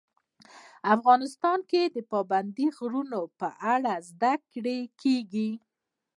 افغانستان کې د پابندي غرونو په اړه زده کړه کېږي.